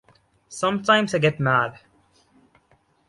Sometimes I get mad.